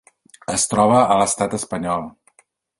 Es troba a l'Estat espanyol.